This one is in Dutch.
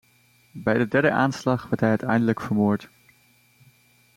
Bij de derde aanslag werd hij uiteindelijk vermoord.